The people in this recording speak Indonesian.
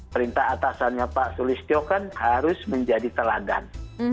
perintah atasannya pak sulistyo kan harus menjadi teladan